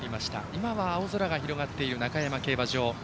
今は青空が広がっている中山競馬場。